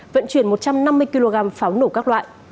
vận chuyển một trăm năm mươi kg pháo nổ các loại